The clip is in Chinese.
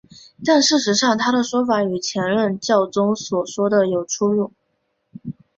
但事实上他的说法与前任教宗所说的有出入。